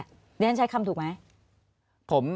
ในทั้งใช้คำถูกไหม